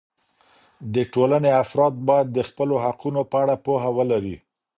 د ټولنې افراد باید د خپلو حقونو په اړه پوهه ولري.